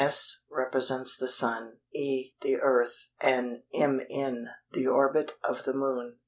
S represents the Sun, E the Earth, and mn the orbit of the Moon.